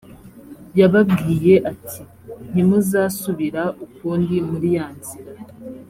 yababwiye ati “ntimuzasubira ukundi muri ya nzira”